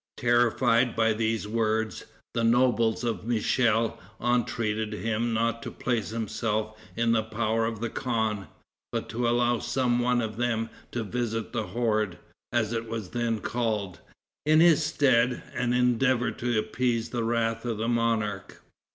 Terrified by these words, the nobles of Michel entreated him not to place himself in the power of the khan, but to allow some one of them to visit the horde, as it was then called, in his stead, and endeavor to appease the wrath of the monarch.